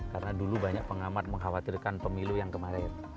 karena dulu banyak pengamat mengkhawatirkan pemilu yang kemarin